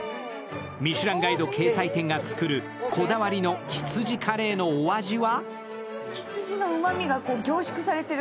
ミシュランガイド掲載店が作るこだわりの羊カレーのお味は？